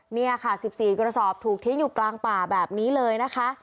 นี่ค่ะ๑๔กระสอบถูกทิ้งอยู่กลางป่าแบบนี้เลยนะคะ